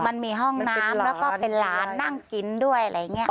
มันมีห้องน้ำแล้วก็เป็นหลานนั่งกินด้วยอะไรอย่างนี้